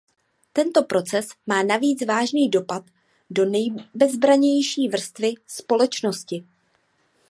Tento proces má navíc vážný dopad na nejbezbrannější vrstvy společnosti.